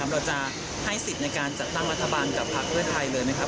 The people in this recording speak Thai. เราจะให้สิทธิ์ในการจัดตั้งรัฐบาลกับพักเพื่อไทยเลยไหมครับ